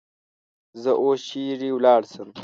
زه اوس چیری ولاړسم؟